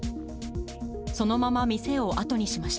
そのまま店を後にしました。